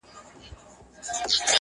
چي له هنده مي هم مال را رسېدلی -